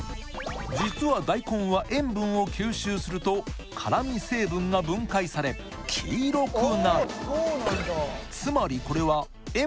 実は大根は塩分を吸収すると辛味成分が分解され黄色くなる